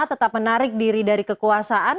tetap menarik diri dari kekuasaan